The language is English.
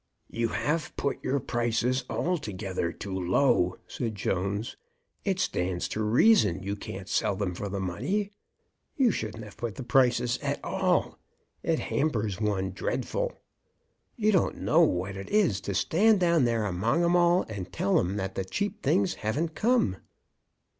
"You have put your prices altogether too low," said Jones. "It stands to reason you can't sell them for the money. You shouldn't have put the prices at all; it hampers one dreadful. You don't know what it is to stand down there among 'em all, and tell 'em that the cheap things haven't come."